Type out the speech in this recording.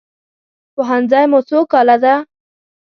پوهنځی مو څو کاله ده؟